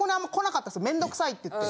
面倒くさいって言って。